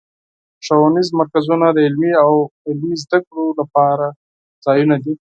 ښوونیز مرکزونه د علمي او عملي زدهکړو لپاره ځایونه دي.